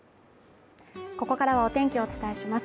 ここからはお天気をお伝えします。